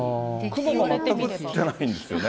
雲が全く映ってないんですよね。